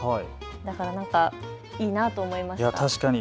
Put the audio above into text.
だから何かいいなと思いました。